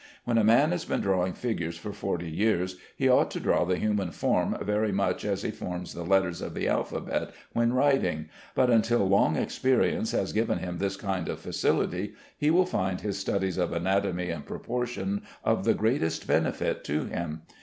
When a man has been drawing figures for forty years he ought to draw the human form very much as he forms the letters of the alphabet when writing; but until long experience has given him this kind of facility, he will find his studies of anatomy and proportion of the greatest benefit to him.